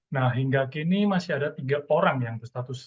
nah hingga kini masih ada tiga orang yang berstatus